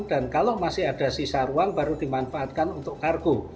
dan kalau masih ada sisa ruang baru dimanfaatkan untuk kargo